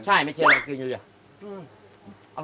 ใช่ไม่ใช่ยาลาคืออยู่อยู่